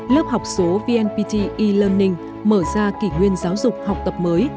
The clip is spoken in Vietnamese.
lớp học số vnpt e learning mở ra kỷ nguyên giáo dục học tập mới